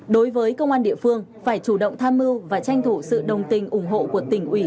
đối với công an địa phương phải chủ động tham mưu và tranh thủ sự đồng tình ủng hộ của tỉnh ủy